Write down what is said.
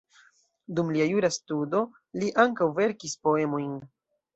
Dum lia jura studo li ankaŭ verkis poemojn.